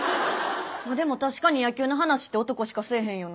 でも確かに野球の話って男しかせえへんよな。